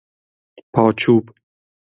پاچوب